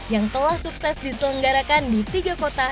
yang telah sukses diselenggarakan di tiga kota